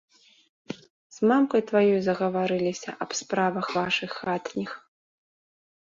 З мамкай тваёй загаварыліся аб справах вашых хатніх.